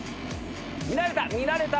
見られた！